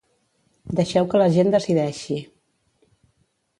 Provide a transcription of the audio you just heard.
Deixeu que la gent decideixi.